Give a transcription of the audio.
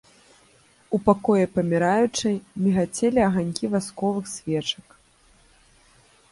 У пакоі паміраючай мігацелі аганькі васковых свечак.